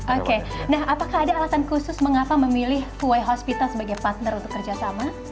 oke nah apakah ada alasan khusus mengapa memilih kuwai hospital sebagai partner untuk kerjasama